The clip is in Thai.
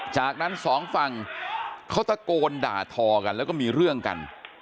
จากนั้นสองฝั่งเขาตะโกนด่าทอกันแล้วก็มีเรื่องกัน